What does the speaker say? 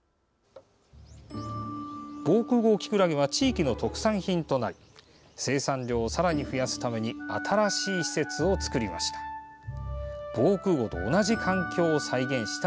防空壕キクラゲは地域の特産品となり生産量をさらに増やすために新しい施設を作りました。